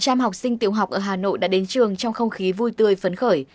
một trăm linh học sinh tiểu học ở hà nội đã đến trường trong không khí vui tươi phấn khởi